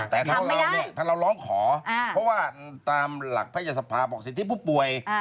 แต่ถ้าเราร้องขอเพราะว่าตามหลักแพทยสภาบอกสิทธิผู้ป่วย